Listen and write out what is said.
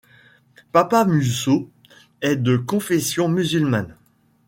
Papa Musso est de confession musulmane.